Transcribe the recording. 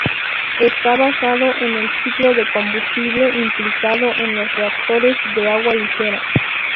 Está basado en el ciclo de combustible implicado en los reactores de agua ligera.